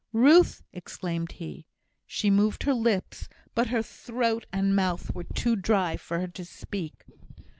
"Ruth!" exclaimed he. She moved her lips, but her throat and mouth were too dry for her to speak.